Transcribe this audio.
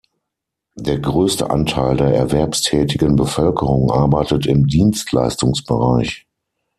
Der größte Anteil der erwerbstätigen Bevölkerung arbeitet im Dienstleistungsbereich.